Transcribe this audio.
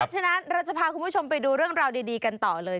ฉะนั้นเราจะพาคุณผู้ชมไปดูเรื่องราวดีกันต่อเลย